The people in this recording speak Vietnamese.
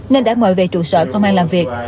nên đã mời về trụ sở công an làm việc